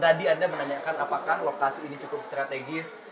tadi anda menanyakan apakah lokasi ini cukup strategis